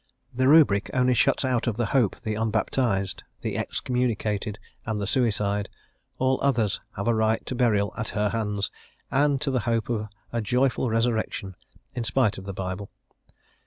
The Rubric only shuts out of the hope the uhbaptized, the excommunicated, and the suicide; all others have a right to burial at her hands, and to the hope of a joyful resurrection, in spite of the Bible.